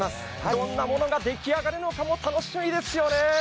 どんなものが出来上がるのかも楽しみですよね。